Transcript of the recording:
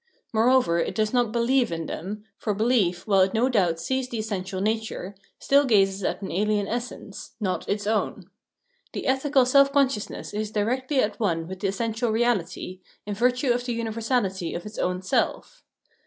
Moreover, it does not believe in them, for beUef, while it no doubt sees the essential nature, still gazes at an alien essence — not its own. The ethical self consciousness is directly at one with the essential reality, in virtue of the universality of its own self.